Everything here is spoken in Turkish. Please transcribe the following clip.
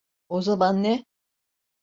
O zaman ne?